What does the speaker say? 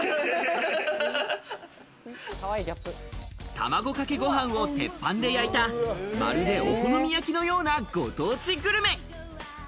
卵かけご飯を鉄板で焼いたまるでお好み焼きのような、ご当地グルメ。